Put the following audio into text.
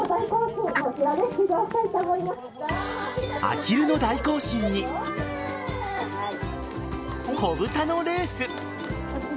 アヒルの大行進に子豚のレース。